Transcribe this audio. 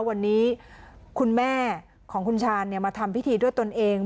วันนี้คุณแม่ของคุณชาญมาทำพิธีด้วยตนเอง